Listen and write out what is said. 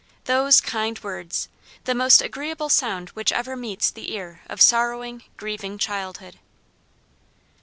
Those kind words! The most agreeable sound which ever meets the ear of sorrowing, grieving childhood.